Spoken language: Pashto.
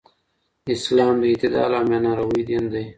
اسلام د اعتدال او میانه روۍ دین دی.